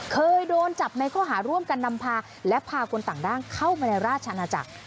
เคยโดนจับในข้อหาร่วมกันนำพาและพาคนต่างด้าวเข้ามาในราชอาณาจักร